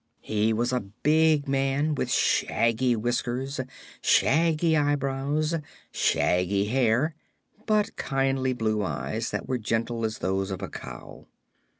He was a big man, with shaggy whiskers, shaggy eyebrows, shaggy hair but kindly blue eyes that were gentle as those of a cow.